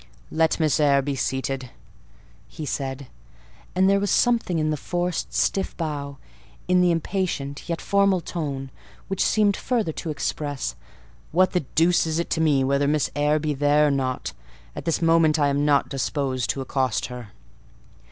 "Let Miss Eyre be seated," said he: and there was something in the forced stiff bow, in the impatient yet formal tone, which seemed further to express, "What the deuce is it to me whether Miss Eyre be there or not? At this moment I am not disposed to accost her."